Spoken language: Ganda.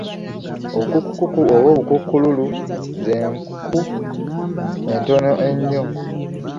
Obukukuku oba obukukululu z’enku entono ennyo.